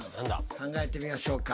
考えてみましょうか。